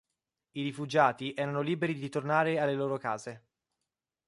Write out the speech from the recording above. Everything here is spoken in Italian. I rifugiati erano liberi di tornare alle loro case.